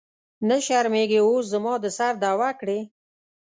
نه شرمېږې اوس زما د سر دعوه کړې.